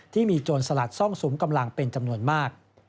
ที่มีโจรสลัดซ่องสุมกำลังเป็นจำนวนมาก